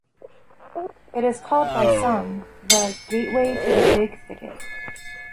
It is called by some the "Gateway to the Big Thicket".